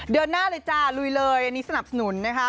เดินหน้าเลยจ้าลุยเลยอันนี้สนับสนุนนะคะ